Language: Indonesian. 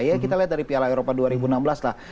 ya kita lihat dari piala eropa dua ribu enam belas lah